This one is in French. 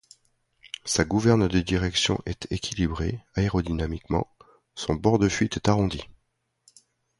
Sa gouverne de direction est équilibrée aérodynamiquement, son bord de fuite est arrondi.